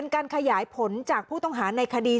การขยายผลจากผู้ต้องหาในคดี